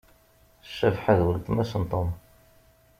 Cabḥa d weltma-s n Tom.